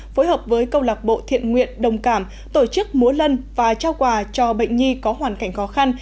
phối hợp với câu lạc bộ thiện nguyện đồng cảm tổ chức múa lân và trao quà cho bệnh nhi có hoàn cảnh khó khăn